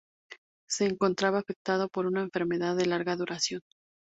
Se encontraba afectado por una enfermedad de larga duración.